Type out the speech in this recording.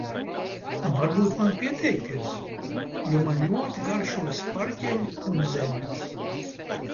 Varbūt man pieteikties? Jo man ļoti garšo sparģeļi un zemenes.